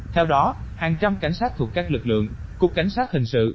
theo đó hàng trăm cảnh sát thuộc các lực lượng cục cảnh sát hình sự